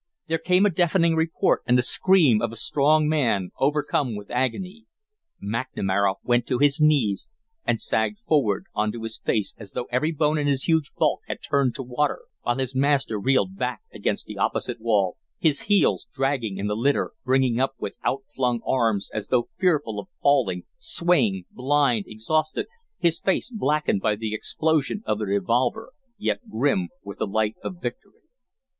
There came a deafening report and the scream of a strong man overcome with agony. McNamara went to his knees and sagged forward on to his face as though every bone in his huge bulk had turned to water, while his master reeled back against the opposite wall, his heels dragging in the litter, bringing up with outflung arms as though fearful of falling, swaying, blind, exhausted, his face blackened by the explosion of the revolver, yet grim with the light of victory.